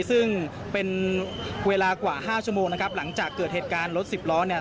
ซึ่งเป็นเวลากว่าห้าชั่วโมงนะครับหลังจากเกิดเหตุการณ์รถสิบล้อเนี่ย